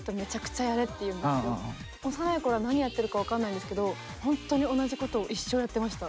幼い頃は何やってるか分からないんですけどほんとに同じことを一生やってました。